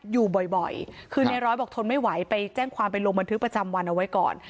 อยู่บ่อยคือในร้อยบอกทนไม่ไหวไปแจ้งความไปลงบันทึกประจำวันเอาไว้ก่อน